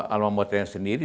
alam buatan yang sendiri